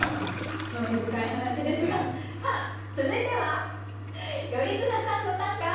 興味深い話ですがさあ続いては「頼綱さんの！短歌」。